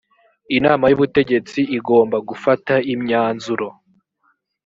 inama y ‘ubutegetsi igomba gufata imyanzuro.